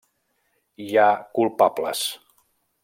Hi ha culpables.